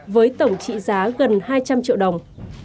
với tổng trị giá gần hai trăm linh triệu đồng